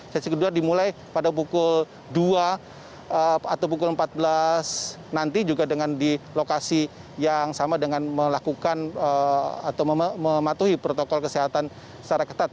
sesi kedua dimulai pada pukul dua atau pukul empat belas nanti juga dengan di lokasi yang sama dengan melakukan atau mematuhi protokol kesehatan secara ketat